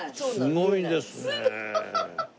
すごいですね。